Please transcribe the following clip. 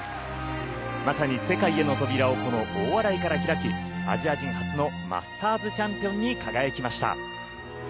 まさに世界への扉をこの大洗から開きアジア人初のマスターズチャンピオンに輝きました。